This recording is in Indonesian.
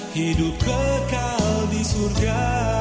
hidup kekal di surga